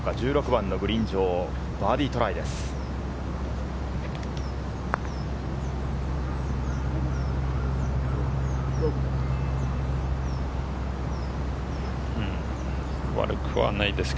１６番のグリーン上、バーディートライです。